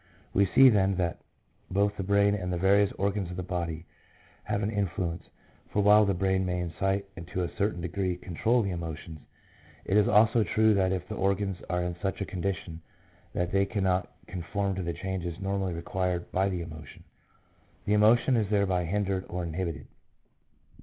We see, then, that both the brain and the various organs of the body have an in fluence ; for while the brain may incite, and to a certain degree control the emotions, it is also true that if the organs are in such a condition that they cannot con form to the changes normally required by the emotion, the emotion is thereby hindered or inhibited.